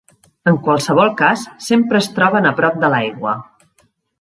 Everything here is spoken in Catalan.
En qualsevol cas sempre es troben a prop de l'aigua.